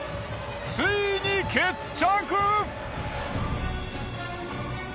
ついに決着！